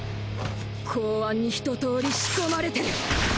公安に一通り仕込まれてる。